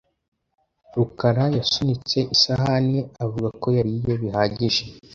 Rukara yasunitse isahani ye avuga ko yariye bihagije.